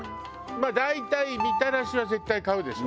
大体みたらしは絶対買うでしょ。